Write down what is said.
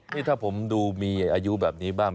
นี่ถ้าผมดูมีอายุแบบนี้บ้าง